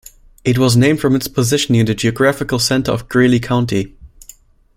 It was named from its position near the geographical center of Greeley county.